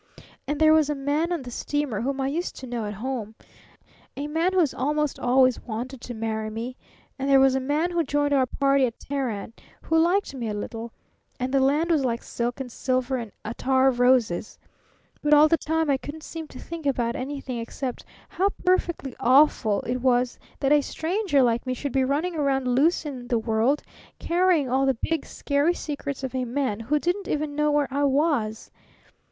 And there was a man on the steamer whom I used to know at home a man who's almost always wanted to marry me. And there was a man who joined our party at Teheran who liked me a little. And the land was like silk and silver and attar of roses. But all the time I couldn't seem to think about anything except how perfectly awful it was that a stranger like me should be running round loose in the world, carrying all the big, scary secrets of a man who didn't even know where I was.